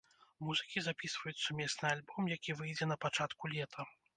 Музыкі запісваюць сумесны альбом, які выйдзе на пачатку лета.